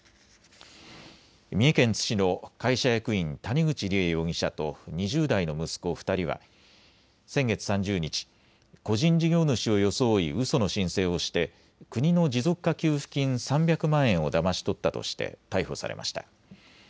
三重県津市の会社役員、谷口梨恵容疑者と２０代の息子２人は先月３０日、個人事業主を装いうその申請をして国の持続化給付金３００万円をだまし取ったとして逮捕されました。